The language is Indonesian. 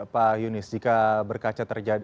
pak yunis jika berkaca terjadi